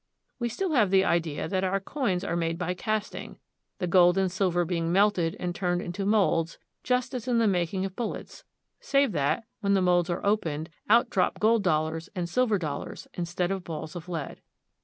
We still have the idea that our coins are made by casting, the gold and silver being melted and turned into molds just as in the making of bullets, save that, when the molds are opened, out drop gold dollars and silver dollars instead of balls of lead.